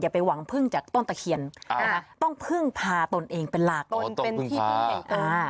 อย่าไปหวังพึ่งจากต้นตะเขียนอ่าต้องพึ่งพาตนเองเป็นหลักต้องพึ่งพา